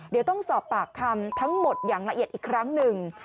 เดี๋ยวต้องสอบปากคำทั้งหมดอย่างละเอียดอีกครั้งหนึ่ง